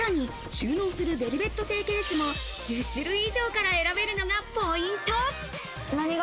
さらに収納するベルベット製ケースも１０種類以上から選べるのがポイント。